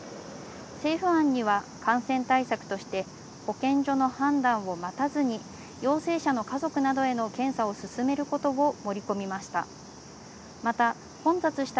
政府案には感染対策として保健所の判断を待たずに陽性者の家族などへの検査を進めることを盛り込みました。